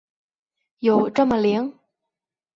有这么灵？